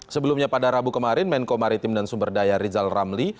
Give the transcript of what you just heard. sebelumnya pada rabu kemarin menko maritim dan sumber daya rizal ramli